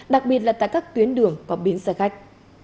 đặc biệt là tại các tuyến đường có bến xe khách